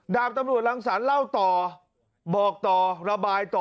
ดาบตำรวจรังสรรค์เล่าต่อบอกต่อระบายต่อ